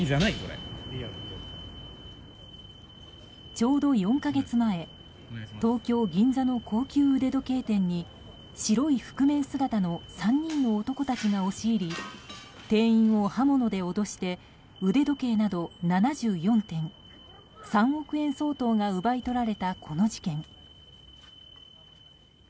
ちょうど４か月前東京・銀座の高級腕時計店に白い覆面姿の３人の男たちが押し入り店員を刃物で脅して腕時計など７４点３億円相当が奪い取られたこの事件。